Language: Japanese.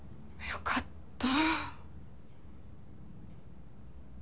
良かった。